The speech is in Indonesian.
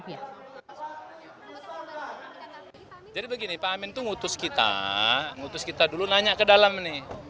jadi begini pak amin itu ngutus kita ngutus kita dulu nanya ke dalam nih